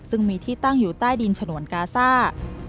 ซึ่งมีที่ตั้งอยู่ใต้ดินฉนวนกาซ่า